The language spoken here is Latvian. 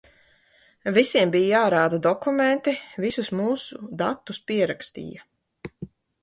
Visiem bija jārāda dokumenti, visus mūsu datus pierakstīja.